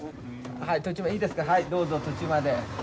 はい途中までいいですかはいどうぞ途中まで。